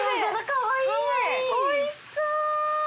おいしそう！